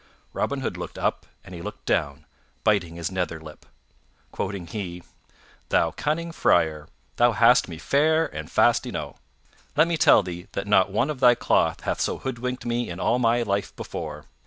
Robin Hood looked up and he looked down, biting his nether lip. Quoth he, "Thou cunning Friar, thou hast me fair and fast enow. Let me tell thee that not one of thy cloth hath so hoodwinked me in all my life before.